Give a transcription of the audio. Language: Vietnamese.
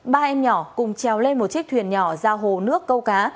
ba em nhỏ cùng trèo lên một chiếc thuyền nhỏ ra hồ nước câu cá